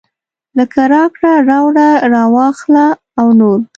لکه راکړه راوړه راواخله او نور.